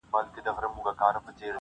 په دې هیله چي کامله مي ایمان سي,